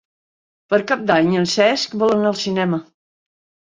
Per Cap d'Any en Cesc vol anar al cinema.